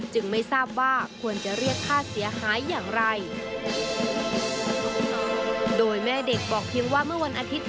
ไม่ทราบว่าควรจะเรียกค่าเสียหายอย่างไร